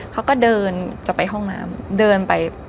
เขาก็เดินจะไปห้องน้ำเดินไป